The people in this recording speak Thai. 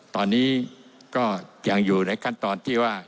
ตอนนี้ก็ยังอยู่ในขั้นตอนที่ว่า